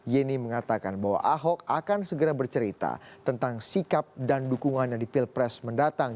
yeni mengatakan bahwa ahok akan segera bercerita tentang sikap dan dukungannya di pilpres mendatang